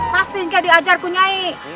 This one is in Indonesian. pasti ngga diajar kum nyai